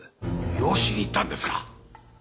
養子にいったんですか！？